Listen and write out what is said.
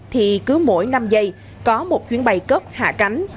thì cứ mỗi năm giây có một chuyến bay cất hạ cánh